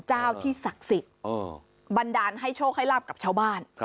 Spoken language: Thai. เจ้าที่ศักดิ์สิทธิ์บันดาลให้โชคให้ลาบกับชาวบ้าน